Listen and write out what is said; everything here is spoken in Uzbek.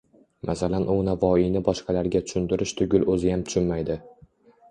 Masalan u Navoiyni boshqalarga tushuntirish tugul o‘ziyam tushunmaydi.